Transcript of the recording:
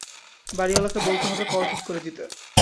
বাড়িঅলাকে বলতে হবে কল ঠিক করে দিতে।